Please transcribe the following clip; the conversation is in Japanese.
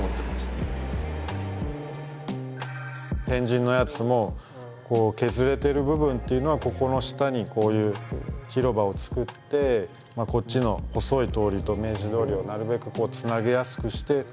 天神のやつも削れてる部分っていうのはここの下にこういう広場を作ってこっちの細い通りと明治通りをなるべくつなげやすくして。